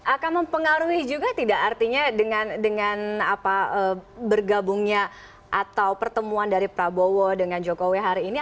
akan mempengaruhi juga tidak artinya dengan bergabungnya atau pertemuan dari prabowo dengan jokowi hari ini